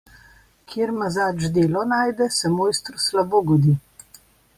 Kjer mazač delo najde, se mojstru slabo godi.